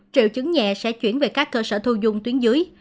triệu chứng nhẹ sẽ chuyển về các cơ sở thu dung tuyến dưới